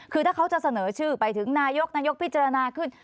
คือถ้าเขาจะเสนอชื่อไปถึงนายกนายกพิจารณาขึ้น